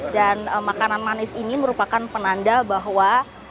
dan makanan manis ini merupakan penanda bahwa